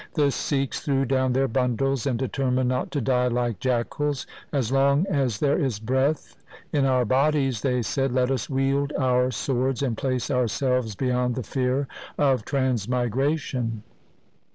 The Sikhs threw down their bundles and determined not to die like jackals. ' As long as there is breath in our bodies,' they said, ' let us wield our swords and place ourselves beyond the fear of transmigration.'